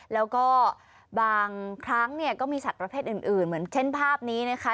แล้วก็บางครั้งเนี่ยก็มีสัตว์ประเภทอื่นเหมือนเช่นภาพนี้นะคะ